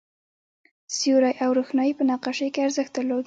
سیوری او روښنايي په نقاشۍ کې ارزښت درلود.